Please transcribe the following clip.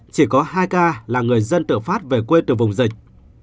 chỉ có hai ca là người dân tự phát về quê từ vùng dịch